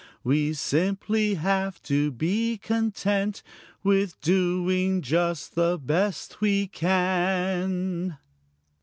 We simply have to be content With doing just the best we can.